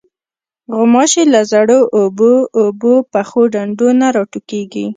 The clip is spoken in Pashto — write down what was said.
غوماشې له زړو اوبو، اوبو پخو ډنډو نه راټوکېږي.